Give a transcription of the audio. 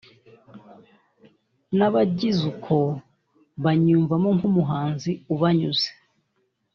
n'abagize uko banyiyumvamo nk'umuhanzi ubanyuze